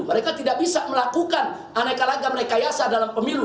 mereka tidak bisa melakukan aneka lagam rekayasa dalam pemilu